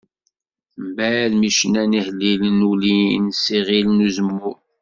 Mbeɛd mi cnan ihellilen ulin s iɣil n Uzemmur.